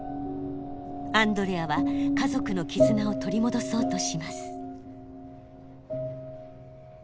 アンドレアは家族の絆を取り戻そうとします。